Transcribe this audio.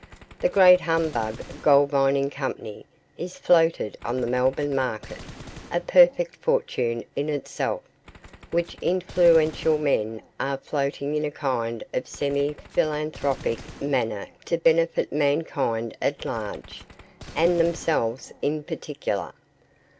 The Great Humbug Gold Mining Company is floated on the Melbourne market a perfect fortune in itself, which influential men are floating in a kind of semi philanthropic manner to benefit mankind at large, and themselves in particular.